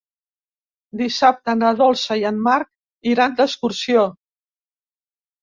Dissabte na Dolça i en Marc iran d'excursió.